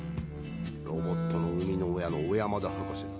ロボットの生みの親の小山田博士だ。